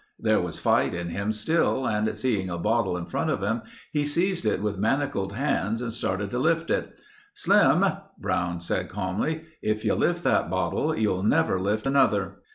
There was fight in him still and seeing a bottle in front of him, he seized it with manacled hands, started to lift it. "Slim," Brown said calmly, "if you lift that bottle you'll never lift another."